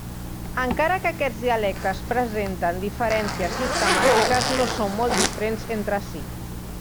Encara que aquests dialectes presenten diferències sistemàtiques no són molt diferents entre si.